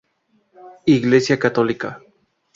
Iglesia Católica